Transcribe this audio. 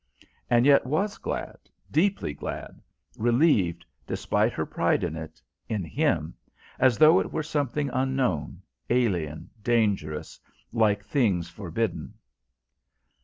And yet was glad, deeply glad, relieved, despite her pride in it, in him: as though it were something unknown, alien, dangerous, like things forbidden.